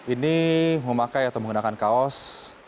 ini memakai atau menggunakan kaos